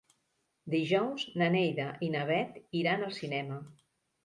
Dijous na Neida i na Bet iran al cinema.